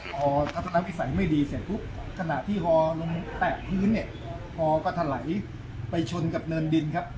พอทัศนวิสัยไม่ดีเสร็จปุ๊บขณะที่ฮอลงแตะพื้นเนี่ยฮอก็ถลายไปชนกับเนินดินครับ